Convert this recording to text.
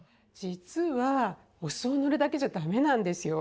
実はお酢を塗るだけじゃダメなんですよ。